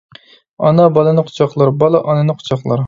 ئانا بالىنى قۇچاقلار، بالا ئانىنى قۇچاقلار.